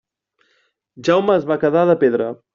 Jaume es va quedar de pedra.